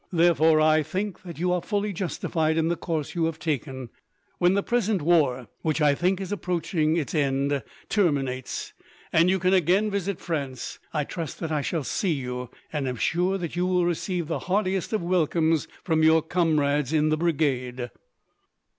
Therefore, I think that you are fully justified in the course you have taken. When the present war, which I think is approaching its end, terminates, and you can again visit France, I trust that I shall see you; and I am sure that you will receive the heartiest of welcomes from your comrades in the Brigade."